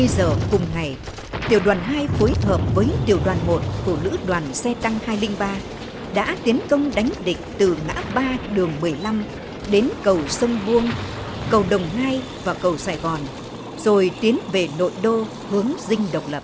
hai mươi giờ cùng ngày tiểu đoàn hai phối hợp với tiểu đoàn một của lữ đoàn xe tăng hai trăm linh ba đã tiến công đánh địch từ ngã ba đường một mươi năm đến cầu sông buông cầu đồng hai và cầu sài gòn rồi tiến về nội đô hướng dinh độc lập